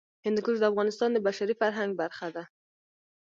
هندوکش د افغانستان د بشري فرهنګ برخه ده.